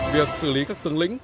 việc xử lý các tương linh